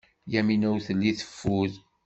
Yamina ur telli teffud.